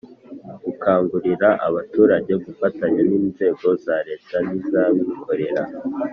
gukangurira abaturage gufatanya n’inzego za leta n'iz'abikorera